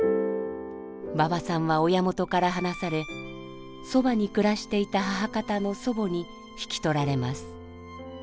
馬場さんは親元から離されそばに暮らしていた母方の祖母に引き取られます。